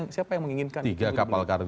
siapa yang menginginkan